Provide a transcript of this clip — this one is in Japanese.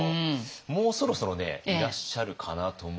もうそろそろねいらっしゃるかなと思うんですけどね。